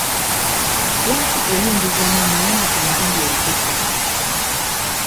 Lwaki oyingiza mu nnyumba enkubi eriko ettaka.